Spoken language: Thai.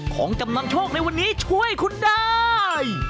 ของกำลังโชคในวันนี้ช่วยคุณได้